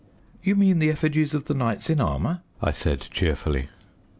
"You mean the effigies of the knights in armour," I said cheerfully.